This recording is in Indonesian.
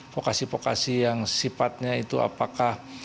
vokasi vokasi yang sifatnya itu apakah